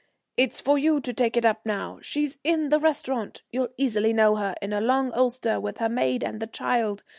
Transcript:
It's for you to take it up now. She's in the restaurant. You'll easily know her, in a long ulster, with her maid and the child.